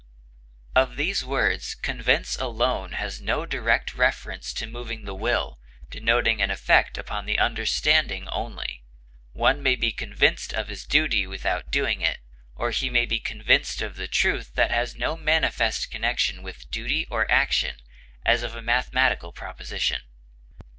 Of these words convince alone has no direct reference to moving the will, denoting an effect upon the understanding only; one may be convinced of his duty without doing it, or he may be convinced of truth that has no manifest connection with duty or action, as of a mathematical proposition.